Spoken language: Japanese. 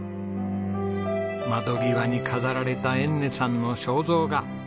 窓際に飾られたえんねさんの肖像画。